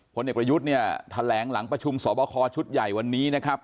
เอกประยุทธ์เนี่ยแถลงหลังประชุมสอบคอชุดใหญ่วันนี้นะครับ